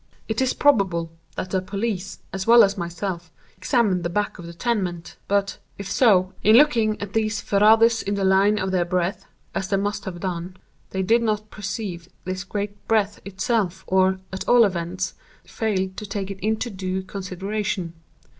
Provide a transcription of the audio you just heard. It is probable that the police, as well as myself, examined the back of the tenement; but, if so, in looking at these ferrades in the line of their breadth (as they must have done), they did not perceive this great breadth itself, or, at all events, failed to take it into due consideration.